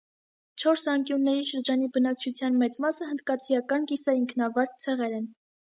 Չորս անկյունների շրջանի բնակչության մեծ մասը հնդկացիական կիսաինքնավար ցեղերն են։